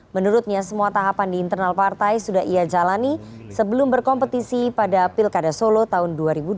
menurutnya semua tahapan di internal partai sudah ia jalani sebelum berkompetisi pada pilkada solo tahun dua ribu dua puluh